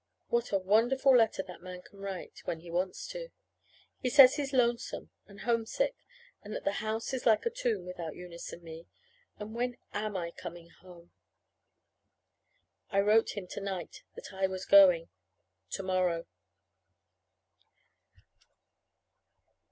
What a wonderful letter that man can write when he wants to! He says he's lonesome and homesick, and that the house is like a tomb without Eunice and me, and when am I coming home? I wrote him to night that I was going to morrow.